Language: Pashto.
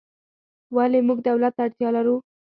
ولې موږ دولت ته اړتیا لرو؟